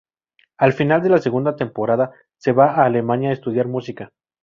Al final de la segunda temporada se va a Alemania a estudiar música.